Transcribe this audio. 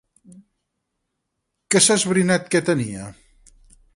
Què s'ha esbrinat que tenia?